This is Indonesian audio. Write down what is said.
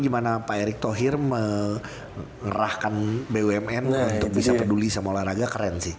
gimana pak erick thohir mengerahkan bumn untuk bisa peduli sama olahraga keren sih